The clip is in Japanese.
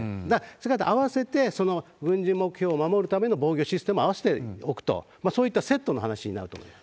それらと併せて、その軍事目標を守るための防御システムを併せておくと、そういったセットの話になると思います。